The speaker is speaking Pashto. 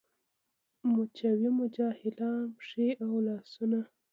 مچوي مو جاهلان پښې او لاسونه